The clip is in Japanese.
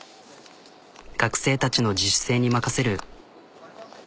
学生たちの自主性に任せる。